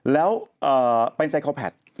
แล้วเป็นไซคอแพท